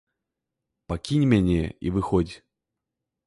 Пакінь мяне і выходзь!